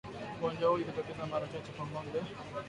Ugonjwa huu hujitokeza mara chache kwa ngombe